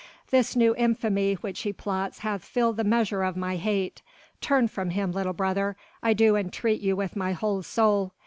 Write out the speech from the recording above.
This new infamy which he plots hath filled the measure of my hate. Turn from him, little brother, I do entreat you with my whole soul.